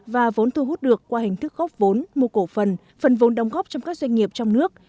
và vốn thu hút được qua hình thức góp vốn mua cổ phần phần vốn đồng góp trong các doanh nghiệp trong nước